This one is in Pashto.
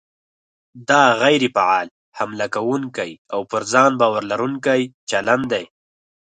دا غیر فعال، حمله کوونکی او پر ځان باور لرونکی چلند دی.